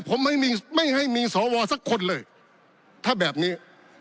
ผมไม่มีไม่ให้มีสวสักคนเลยถ้าแบบนี้